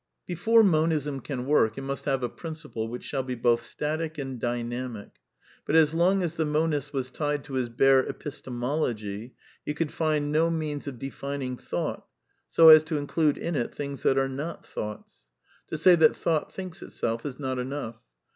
Before Monism can work it must have a principle which shall be both static and dynamic. But as long as the monist was tied to his bare epistemology, he could find no means of defining ^* Thought," so as to include in it / things that are not " thoughts." To say that " Thought j thinks itself" is not enough.